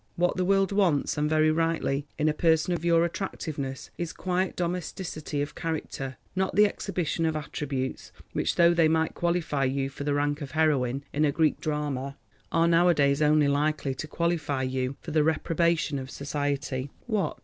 What the world wants, and very rightly, in a person of your attractiveness is quiet domesticity of character, not the exhibition of attributes which though they might qualify you for the rank of heroine in a Greek drama, are nowadays only likely to qualify you for the reprobation of society. What?